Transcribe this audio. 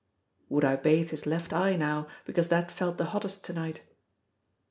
Would I bathe his left eye now, because that felt the hottest to night?